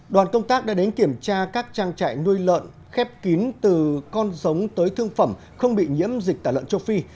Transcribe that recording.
đoàn công tác đã đến kiểm tra các trang trại nuôi lợn khép kín từ con giống tới thương phẩm không bị nhiễm dịch tả lợn châu phi